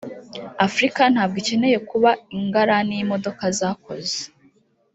Africa ntabwo ikeneye kuba ingarani y’imodoka zakoze